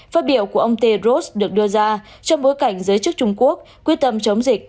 phát biểu của ông tedros được đưa ra trong bối cảnh giới chức trung quốc quyết tâm chống dịch